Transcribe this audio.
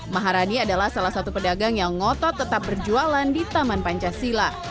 maharani adalah salah satu pedagang yang ngotot tetap berjualan di taman pancasila